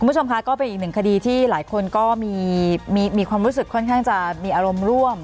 คุณผู้ชมค่ะก็เป็นอีกหนึ่งคดีที่หลายคนก็มีความรู้สึกค่อนข้างจะมีอารมณ์ร่วม